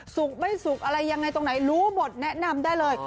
ไม่สุกอะไรยังไงตรงไหนรู้หมดแนะนำได้เลย